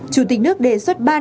chủ tịch nước đề xuất ba nội dung